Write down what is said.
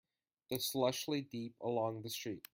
The slush lay deep along the street.